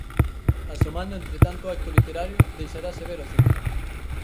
Asomando entre tanto acto literario deixarase ver o cinema.